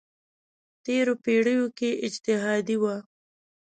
تېرو پېړیو کې اجتهادي وه.